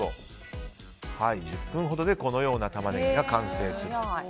１０分ほどでこのようなタマネギが完成すると。